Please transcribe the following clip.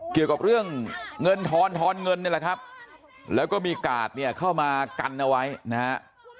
เกี่ยวกับเรื่องเงินทอนทอนเงินนี่แหละครับแล้วก็มีกาดเนี่ยเข้ามากันเอาไว้นะฮะ